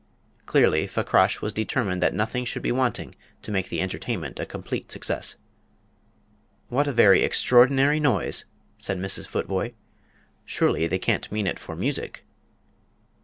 Clearly Fakrash was determined that nothing should be wanting to make the entertainment a complete success. "What a very extraordinary noise!" said Mrs. Futvoye; "surely they can't mean it for music?"